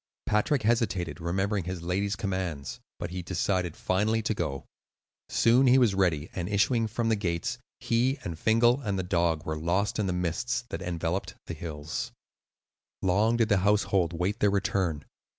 Patrick hesitated, remembering his lady's commands, but he decided finally to go. Soon he was ready, and issuing from the gates, he and Fingal and the dog were lost in the mists that enveloped the hills. Long did the household wait their return.